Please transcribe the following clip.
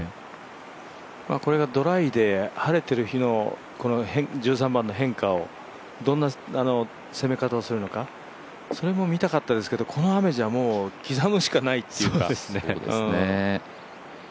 これがドライで晴れている日の１３番の変化をどんな攻め方をするのかそれも見たかったですけどこの雨じゃ刻むしかない。